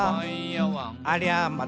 「ありゃま！